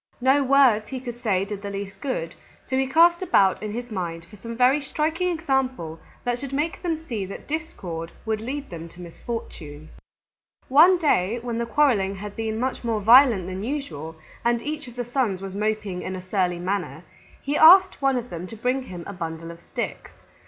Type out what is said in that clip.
No words he could say did the least good, so he cast about in his mind for some very striking example that should make them see that discord would lead them to misfortune. One day when the quarreling had been much more violent than usual and each of the Sons was moping in a surly manner, he asked one of them to bring him a bundle of sticks.